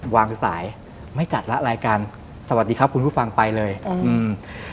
วางสายไม่จัดแล้วรายการสวัสดีครับคุณผู้ฟังไปเลยอืม